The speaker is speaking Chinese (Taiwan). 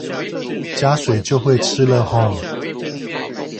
加水就會吃了齁